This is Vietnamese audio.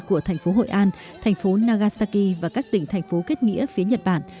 của thành phố hội an thành phố nagasaki và các tỉnh thành phố kết nghĩa phía nhật bản